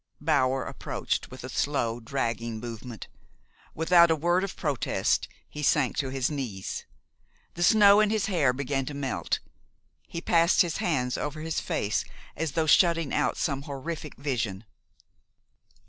Bower approached, with a slow, dragging movement. Without a word of protest, he sank to his knees. The snow in his hair began to melt. He passed his hands over his face as though shutting out some horrific vision.